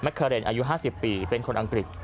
คาเรนอายุ๕๐ปีเป็นคนอังกฤษ